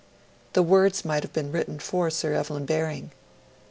The words might have been written for Sir Evelyn Baring.